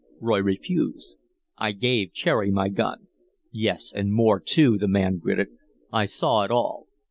Roy refused. "I gave Cherry my gun." "Yes, and more too," the man gritted. "I saw it all."